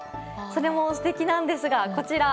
それも素敵なんですがこちら。